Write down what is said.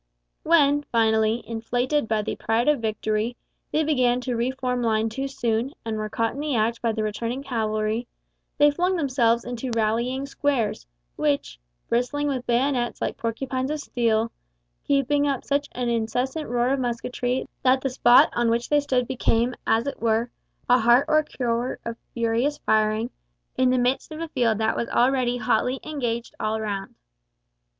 When, finally, inflated with the pride of victory, they began to re form line too soon, and were caught in the act by the returning cavalry, they flung themselves into rallying squares, which, bristling with bayonets like porcupines of steel, keeping up such an incessant roar of musketry that the spot on which they stood became, as it were, a heart or core of furious firing, in the midst of a field that was already hotly engaged all round.